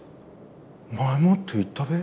前もって言ったべ。